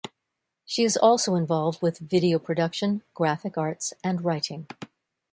She is also involved with video production, graphic arts and writing.